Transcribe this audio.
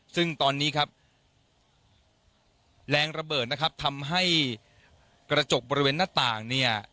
ซึ่งตอนนี้ครับแรงระเบิดนะครับทำให้กระจกบริเวณหน้าต่างเนี่ย